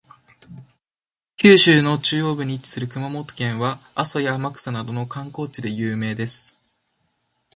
九州の中央部に位置する熊本県は、阿蘇や天草などの観光地で有名です。